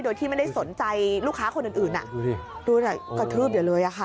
โดยที่ไม่ได้สนใจลูกค้าคนอื่นอื่นน่ะดูน่ะกระทืบอยู่เลยอ่ะค่ะ